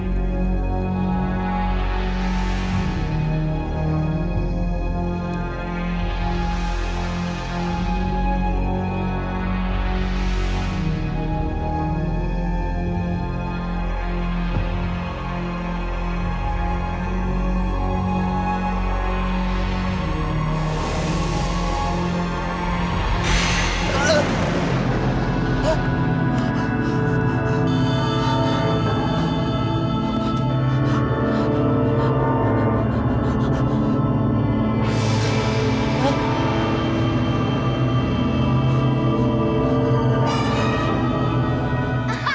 kau akan berada di tempat alam yang lain